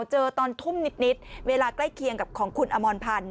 ตอนทุ่มนิดเวลาใกล้เคียงกับของคุณอมรพันธ